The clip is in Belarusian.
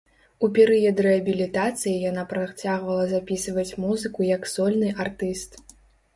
У перыяд рэабілітацыі яна працягвала запісваць музыку як сольны артыст.